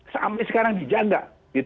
sampai sekarang dijaga